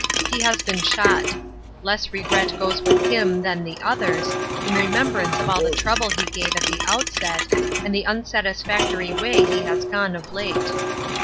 He has been shot; less regret goes with him than the others, in remembrance of all the trouble he gave at the outset, and the unsatisfactory way he has gone of late.